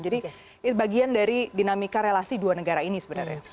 jadi bagian dari dinamika relasi dua negara ini sebenarnya